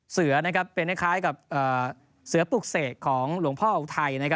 เสือเป็นคล้ายกับเสือปลูกเสกของหลวงพ่ออุทัย